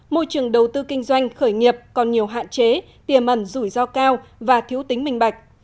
môi trường đầu tư kinh doanh khởi nghiệp còn nhiều hạn chế tiềm ẩn rủi ro cao và thiếu tính minh bạch